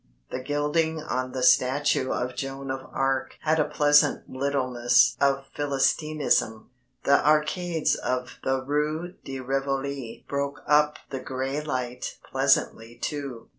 The gilding on the statue of Joan of Arc had a pleasant littleness of Philistinism, the arcades of the Rue de Rivoli broke up the grey light pleasantly too.